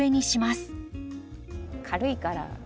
軽いから。